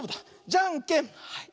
じゃんけんはい。